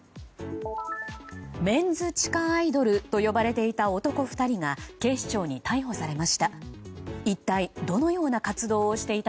メンズ地下アイドルと呼ばれていた男２人が警視庁に逮捕されました。